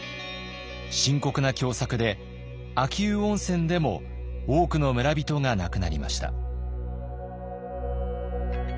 深刻な凶作で秋保温泉でも多くの村人が亡くなりました。